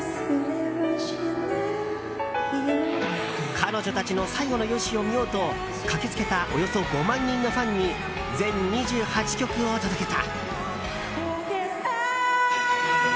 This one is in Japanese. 彼女たちの最後の雄姿を見ようと駆け付けたおよそ５万人のファンに全２８曲を届けた。